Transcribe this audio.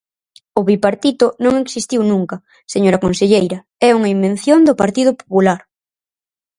O Bipartito non existiu nunca, señora conselleira, é unha invención do Partido Popular.